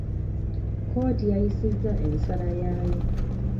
Kkooti eyisizza ensala yaayo.